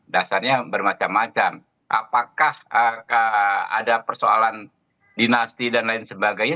dasarnya bermacam macam apakah ada persoalan dinasti dan lain sebagainya